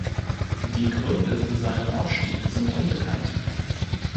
Die Gründe für seinen Ausstieg sind unbekannt.